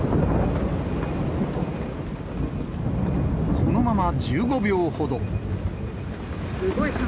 このまま１５秒ほど。